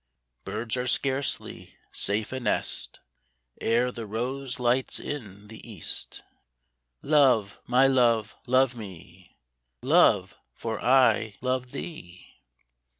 Birds are scarcely safe a nest Ere the rose light's in the east :" Love, my love, love me, Love, for I love thee